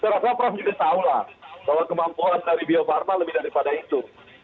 terasa prof juga tahulah bahwa kemampuan dari bio farma lebih daripada itu